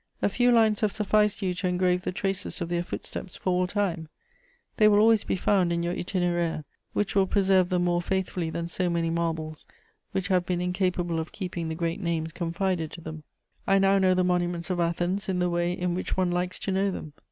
A few lines have sufficed you to engrave the traces of their footsteps for all time; they will always be found in your Itinéraire, which will preserve them more faithfully than so many marbles which have been incapable of keeping the great names confided to them. "I now know the monuments of Athens in the way in which one likes to know them.